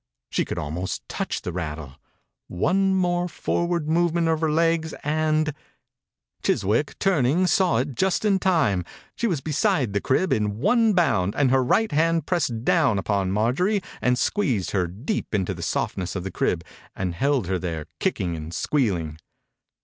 She could almost touch the rattle I One more forward movement of her legs and — Chiswick, turning, saw it just in time. She was beside the crib in one bound, and her right hand pressed down upon Mar 54 THE INCUBATOR BABY jorie and squeezed her deep into the softness of the crib, and held her there kicking and squealing.